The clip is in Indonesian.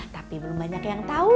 tapi belum banyak yang tahu